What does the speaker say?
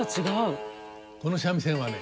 この三味線はね